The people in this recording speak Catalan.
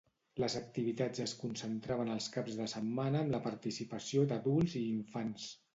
Les activitats es concentraven els caps de setmana amb la participació d'adults i infants.